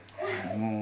もう。